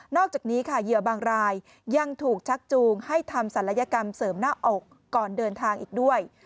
อกจากนี้ค่ะเหยื่อบางรายยังถูกชักจูงให้ทำศัลยกรรมเสริมหน้าอกก่อนเดินทางอีกด้วย